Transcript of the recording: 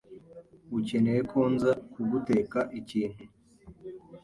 Ukeneye ko nza kuguteka ikintu?